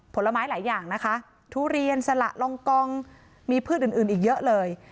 ผลไม้หลายอย่างนะคะทุเรียนสละลองกองมีพืชอื่นอื่นอีกเยอะเลย